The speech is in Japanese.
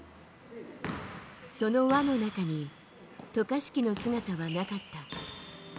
その輪の中に渡嘉敷の姿はなかった。